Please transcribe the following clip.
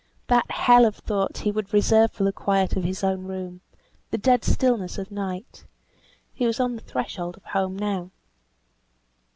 That hell of thought he would reserve for the quiet of his own room, the dead stillness of night. He was on the threshold of home now.